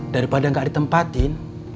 daripada gak ditempatin